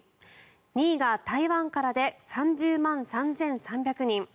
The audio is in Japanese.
２位が台湾からで３０万３３００人。